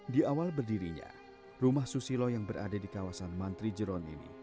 di awal berdirinya rumah susilo yang berada di kawasan mantri jeron ini